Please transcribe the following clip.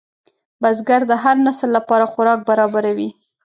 بزګر د هر نسل لپاره خوراک برابروي